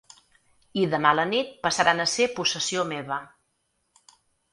I demà a la nit passaran a ser possessió meva.